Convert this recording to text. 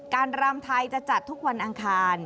รำไทยจะจัดทุกวันอังคาร